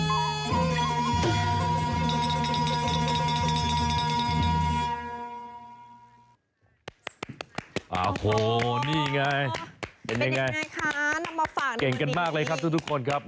โอ้โหนี่ไงเป็นยังไงเป็นยังไงคะนำมาฝากในวันนี้เก่งกันมากเลยครับทุกคนครับ